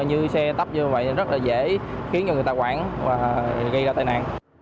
như xe tắp như vậy rất là dễ khiến cho người ta quản và gây ra tai nạn